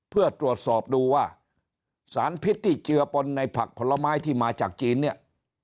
เพื่อตรวจสอบดูว่าสารพิษที่เจือปนในผักผลไม้ที่มาจากจีนเนี่ย